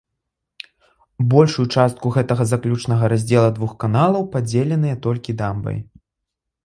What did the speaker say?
Большую частку гэтага заключнага раздзела двух каналаў падзеленыя толькі дамбай.